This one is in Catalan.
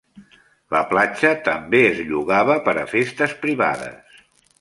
La platja també es llogava per a festes privades.